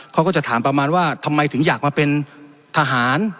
เขาก็จะถามประมาณว่าทำไมถึงอยากมาเป็นทหาร